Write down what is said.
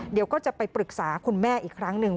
เดี๋ยวก็จะไปปรึกษาคุณแม่อีกครั้งหนึ่ง